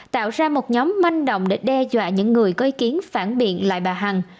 tạo ra một nhóm manh động để đe dọa những người có ý kiến phản biện lại bà hằng